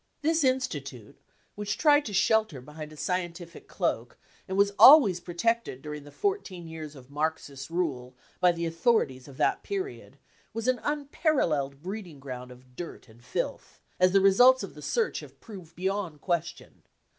This institute, whicbi tried to shelter behind a scientific cloak and was always protected during the fourteen years of Marxist rule by the authorities of that period, was an unparalleled breeding ground of dirt and filth, as the results of the search have proved beyond question.